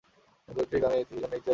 চলচ্চিত্রটি গানের জন্য ইতিহাস গড়ে।